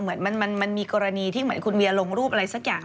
เหมือนมันมีกรณีที่เหมือนคุณเวียลงรูปอะไรสักอย่าง